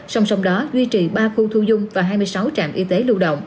song song đó duy trì ba khu thu dung và hai mươi sáu trạm y tế lưu động